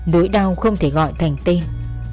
nỗi đau không thể gọi thành tên